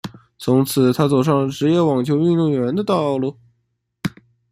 从此她走上了职业网球运动员的道路。